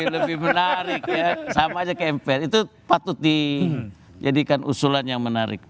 lebih menarik ya sama aja ke mpr itu patut dijadikan usulan yang menarik